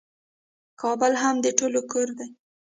کابل هم د ټولو کور دی.